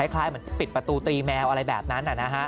คล้ายปิดประตูตีแมวอะไรแบบนั้น